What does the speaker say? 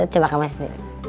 coba rina sendiri